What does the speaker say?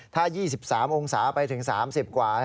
ถ้า๒๓องศาไปถึง๓๐กว่า